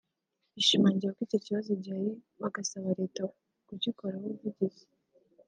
bishimangira ko icyo kibazo gihari bagasaba Leta kugikoraho ubuvugizi